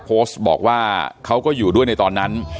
โพสต์บอกว่าเขาก็อยู่ด้วยในตอนนั้น